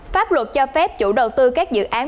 pháp luật cho phép chủ đầu tư các dự án